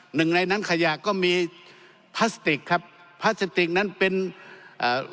หนึ่งในนั้นขยะก็มีพลาสติกครับพลาสติกนั้นเป็นเอ่อ